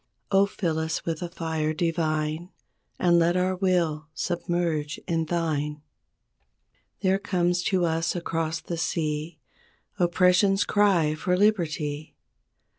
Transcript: Oh, fill us with a fire divine And let our will submerge in Thine! There comes to us across the sea, Oppression's cry for liberty.